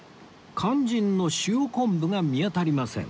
肝心の塩昆布が見当たりません